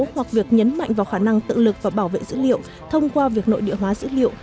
hoặc việc nhấn mạnh vào khả năng tự lực và bảo vệ dữ liệu thông qua việc nội địa hóa dữ liệu